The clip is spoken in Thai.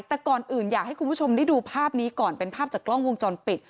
แต่ก่อนอื่นอยากให้คุณผู้ชมได้ดูภาพนี้ก่อนเป็นภาพจากกล้องวงจรปิด